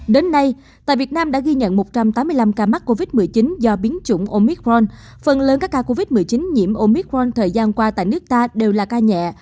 đến nay tại việt nam đã ghi nhận một trăm tám mươi năm ca mắc covid một mươi chín do biến chủng omitm phần lớn các ca covid một mươi chín nhiễm omicron thời gian qua tại nước ta đều là ca nhẹ